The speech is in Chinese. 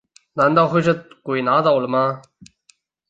难道会是鬼拿走了吗